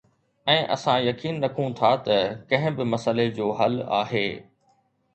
۽ اسان يقين رکون ٿا ته ڪنهن به مسئلي جو حل آهي